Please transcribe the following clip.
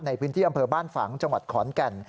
ในพื้นที่อำเภอบ้านฝังจังหวัดขอนแก่น